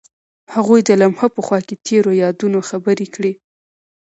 هغوی د لمحه په خوا کې تیرو یادونو خبرې کړې.